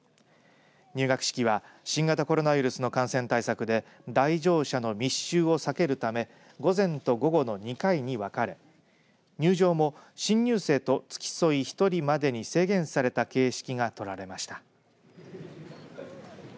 入学式は新型コロナウイルスの感染対策で来場者の密集を避けるため午前と午後の２回に分かれ入場も新入生と付き添い１人までに制限された形式が取られました。